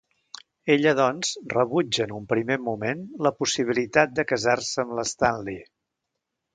Ella doncs, rebutja en un primer moment la possibilitat de casar-se amb l'Stanley.